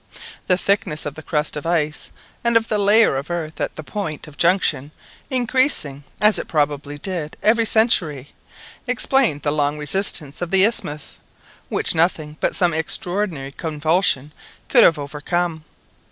The thickness of the crust of ice and of the layer of earth at the point of junction increasing, as it probably did, every century, explained the long resistance of the isthmus, which nothing but some extraordinary convulsion could have overcome.